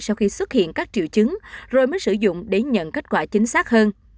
sau khi xuất hiện các triệu chứng rồi mới sử dụng để nhận kết quả chính xác hơn